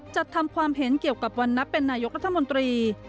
จัดทำความเห็นเกี่ยวกับวันนับเป็นนายกรัฐมนตรี